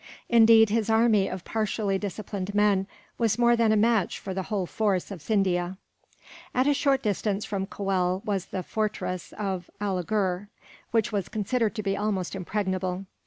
Indeed, his army of partially disciplined men was more than a match for the whole force of Scindia. At a short distance from Coel was the fortress of Alighur, which was considered to be almost impregnable.